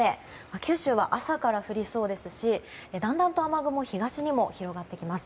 九州は朝から降りそうですしだんだんと雨雲は東にも広がってきます。